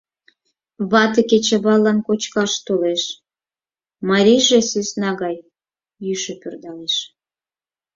Вате кечываллан кочкаш толеш — марийже сӧсна гай йӱшӧ пӧрдалеш.